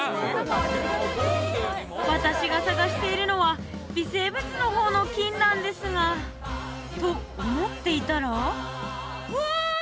私が探しているのは微生物の方の菌なんですがと思っていたらうわ！